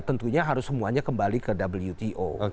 tentunya harus semuanya kembali ke wto